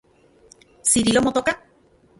¿Cirilo motoka?